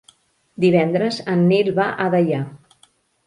Divendres en Nil va a Deià.